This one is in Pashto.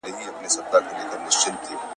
مرگ په ماړه نس خوند کوي.